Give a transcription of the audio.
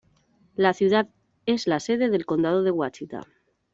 La ciudad es la sede del condado de Ouachita.